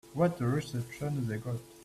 What a reception they got.